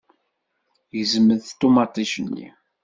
Gezment ṭumaṭic-nni.